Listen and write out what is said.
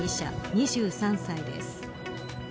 ２３歳です。